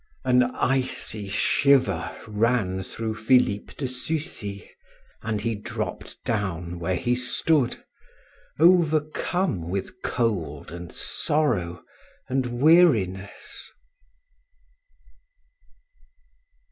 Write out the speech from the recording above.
An icy shiver ran through Philip de Sucy, and he dropped down where he stood, overcome with cold and sorrow and weariness.